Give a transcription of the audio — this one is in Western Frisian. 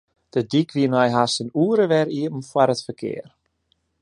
De dyk wie nei hast in oere wer iepen foar it ferkear.